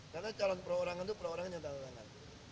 karena calon pro orang itu pro orangnya yang tanda tangan